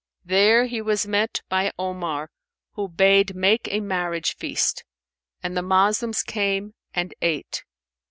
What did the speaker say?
There he was met by Omar who bade make a marriage feast; and the Moslems came and ate.